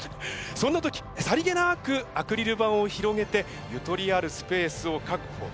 そんな時さりげなくアクリル板を広げてゆとりあるスペースを確保できるか？